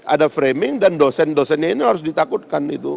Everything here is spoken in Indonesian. ada framing dan dosen dosennya ini harus ditakutkan itu